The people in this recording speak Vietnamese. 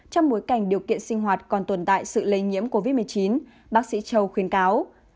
trong bối cảnh điều kiện sinh hoạt còn tồn tại sự lây nhiễm covid một mươi chín bác sĩ châu khuyến cáo